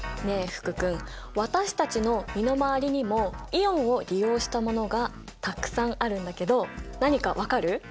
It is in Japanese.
福君私たちの身の回りにもイオンを利用したものがたくさんあるんだけど何か分かる？